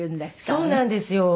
そうなんですよ。